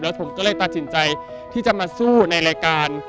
ผมก็เลยตัดสินใจที่จะมาสู้ในรายการ